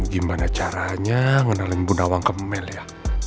gimana caranya mengenalinya ke mel ya